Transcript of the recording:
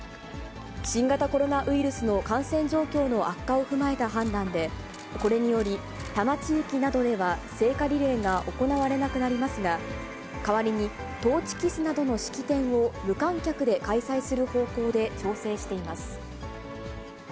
新型コロナウイルスの感染状況の悪化を踏まえた判断で、これにより、多摩地域などでは聖火リレーが行われなくなりますが、代わりにトーチキスなどの式典を無観客で開催する方向で調整しています。